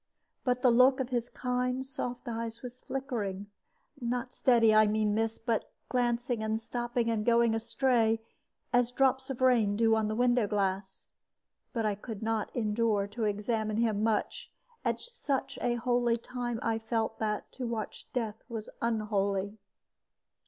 But the look of his kind soft eyes was flickering not steady, I mean, miss but glancing and stopping and going astray, as drops of rain do on the window glass. But I could not endure to examine him much; at such a holy time I felt that to watch death was unholy.